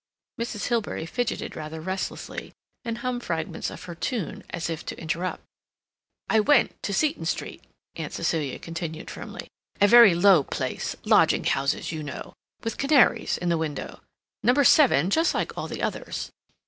Mrs. Hilbery fidgeted rather restlessly, and hummed fragments of her tune, as if to interrupt. "I went to Seton Street," Aunt Celia continued firmly. "A very low place—lodging houses, you know, with canaries in the window. Number seven just like all the others.